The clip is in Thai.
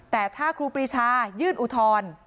แต่ถ้าครูปรีชายื่นอุทธรณ์